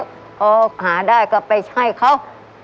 พอหาได้ก็ไปให้เขา